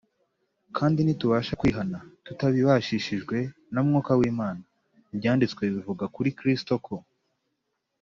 . Kandi ntitubasha kwihana tutabibashishijwe na Mwuka w’Imana. Ibyanditswe bivuga kuri Kristo ko,